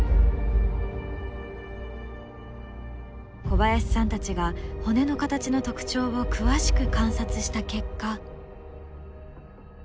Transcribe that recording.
小林さんたちが骨の形の特徴を詳しく観察した結果。